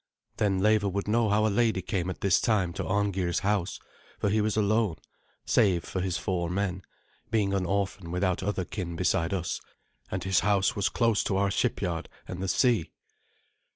Then Leva would know how a lady came at this time to Arngeir's house, for he was alone, save for his four men, being an orphan without other kin beside us, and his house was close to our shipyard and the sea.